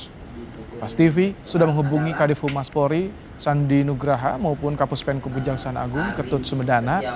pas tv sudah menghubungi kadif humas polri sandi nugraha maupun kapus penkubujaksana agung ketut sumedana